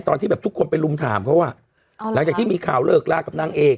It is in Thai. ตอนที่แบบทุกคนไปลุมถามเขาอ่ะหลังจากที่มีข่าวเลิกลากับนางเอก